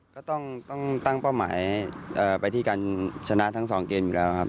ก็ต้องตั้งเป้าหมายไปที่การชนะทั้งสองเกมอยู่แล้วครับ